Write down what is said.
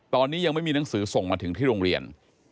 ตอนนี้ยังไม่มีหนังสือส่งมาถึงที่โรงเรียน